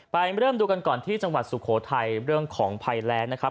เริ่มดูกันก่อนที่จังหวัดสุโขทัยเรื่องของภัยแรงนะครับ